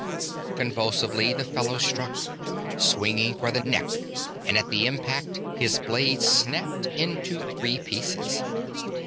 Convulsively, the fellow struck, swinging for the neck, and at impact his blade snapped into three pieces.